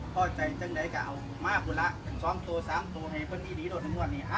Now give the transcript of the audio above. พ่อใจจังได้กล่าวมากกว่าละสองตัวสามตัวให้เพื่อนดีดีโดนทั้งหมวดนี่อ่ะ